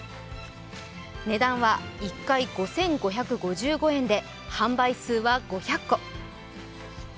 値段は１回５５５５円で販売数は５００個。